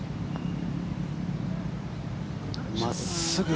真っすぐ。